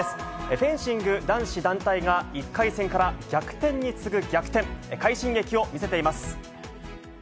フェンシング男子団体が、１回戦から逆転に次ぐ逆転、快進撃を見せています。